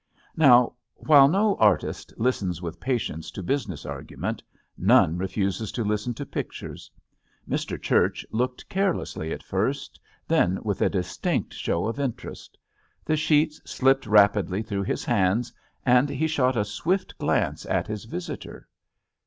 Now, while no artist listens with patience to business argument, none refuses to listen to pictures. Mr. Church looked, carelessly at first, then with a distinct show of interest. The sheets slipped rapidly through his hands and he shot a swift glance at his visitor.